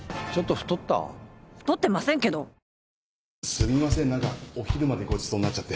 すみません何かお昼までごちそうになっちゃって。